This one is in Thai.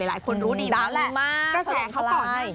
หลายคนรู้นี่นว่าแล้ว